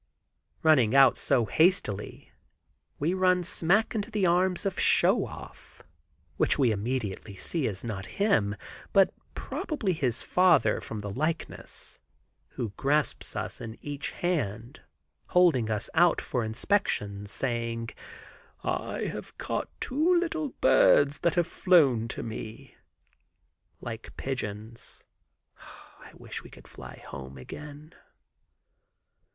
Running out so hastily we run smack into the arms of Show Off, which we immediately see is not him, but probably his father, from the likeness, who grasps us in each hand, holding us out for inspection, saying, "I have caught two little birds that have flown to me." (Like pigeons, I wish we could fly home again.)